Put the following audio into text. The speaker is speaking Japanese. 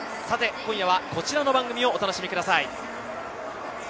今夜はこちらの番組をお楽しみください。